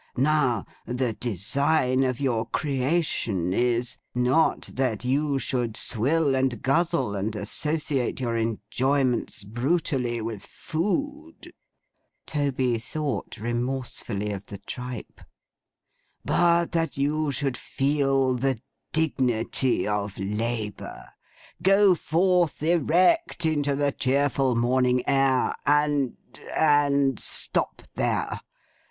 Now, the design of your creation is—not that you should swill, and guzzle, and associate your enjoyments, brutally, with food; Toby thought remorsefully of the tripe; 'but that you should feel the Dignity of Labour. Go forth erect into the cheerful morning air, and—and stop there.